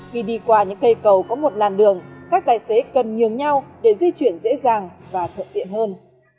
khi đi qua những cây cầu có một làn đường các tài xế cần nhường nhau để di chuyển dễ dàng và thuận tiện hơn